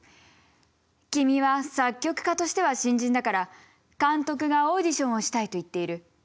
「君は作曲家としては新人だから監督がオーディションをしたいと言っている。